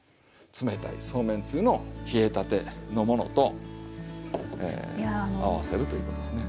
冷たいそうめんつゆの冷えたてのものと合わせるということですね。